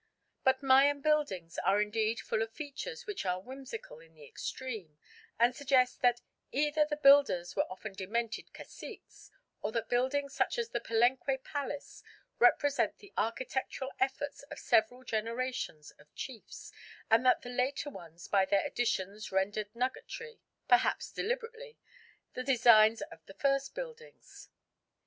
But Mayan buildings are indeed full of features which are whimsical in the extreme, and suggest that either the builders were often demented caciques or that buildings such as the Palenque palace represent the architectural efforts of several generations of chiefs, and that the later ones by their additions rendered nugatory, perhaps deliberately, the designs of the first builders.